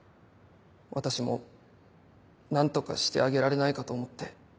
私も何とかしてあげられないかと思って。